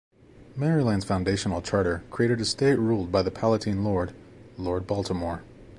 Maryland's foundational charter created a state ruled by the "Palatine lord," Lord Baltimore.